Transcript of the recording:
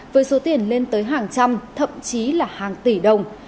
với số tiền lên tới hàng trăm thậm chí là hàng tỷ đồng